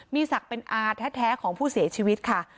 มีศักดิ์เป็นอาแท้ของผู้เสียชีวิตค่ะ